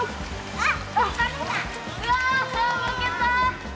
あっ。